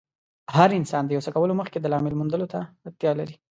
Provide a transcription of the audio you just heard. هر انسان د يو څه کولو مخکې د لامل موندلو ته اړتیا لري.